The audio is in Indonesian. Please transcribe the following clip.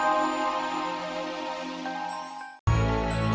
pak mangun ini masulatan siapa pak mangun